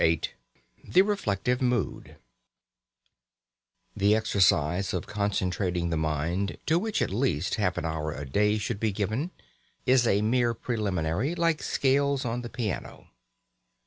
VIII THE REFLECTIVE MOOD The exercise of concentrating the mind (to which at least half an hour a day should be given) is a mere preliminary, like scales on the piano.